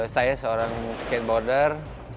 saya seorang skateboarder